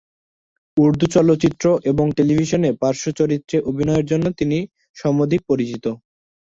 উর্দু চলচ্চিত্র এবং টেলিভিশনে পার্শ্ব চরিত্রে অভিনয়ের জন্য তিনি সমধিক পরিচিত।